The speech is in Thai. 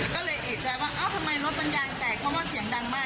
แกข้ามทางมาข้ามถนนมา